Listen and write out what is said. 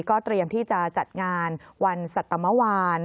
ก็เตรียมที่จะจัดงานวันสัตว์เมื่อวาน